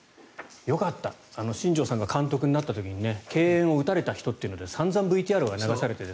よかった、新庄さんが監督になった時に敬遠を打たれた人というので散々ＶＴＲが流されて。